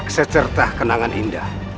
kesecertaan kenangan indah